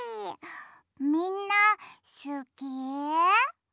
みんなすき？